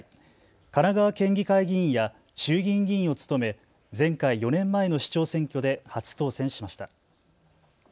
神奈川県議会議員や衆議院議員を務め前回４年前の市長選挙で初当選しました。